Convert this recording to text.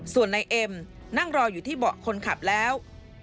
ส่วนนายเอ็มนั่งรออยู่ที่เบาะคนขับแล้ว